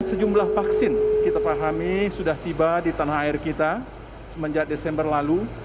sejumlah vaksin kita pahami sudah tiba di tanah air kita semenjak desember lalu